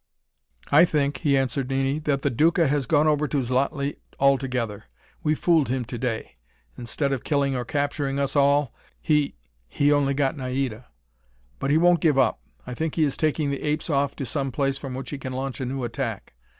"I think," he answered Nini, "that the Duca has gone over to Xlotli altogether. We fooled him to day. Instead of killing or capturing us all, he he only got Naida. But he won't give up. I think he is taking the apes off to some place from which he can launch a new attack.